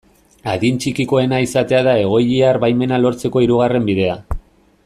Adin txikikoena izatea da egoiliar baimena lortzeko hirugarren bidea.